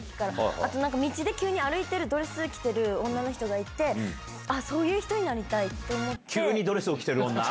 あとなんか、道で急に歩いてるドレス着てる女の人がいて、あっ、そういう人に急にドレスを着てる女？